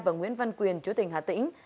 và nguyễn văn quyền chú tỉnh hà tĩnh